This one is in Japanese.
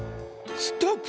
ストップ！